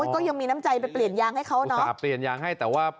ก็ยังมีน้ำใจไปเปลี่ยนยางให้เขาเนาะเปลี่ยนยางให้แต่ว่า